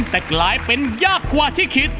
แต่กลายเป็นยากกว่าที่คิด